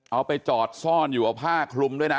เอาไปจอดซ่อนอยู่เอาผ้าคลุมด้วยนะ